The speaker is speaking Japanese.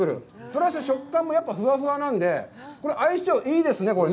プラス食感もやっぱりふわふわなんで、これ、相性いいですね。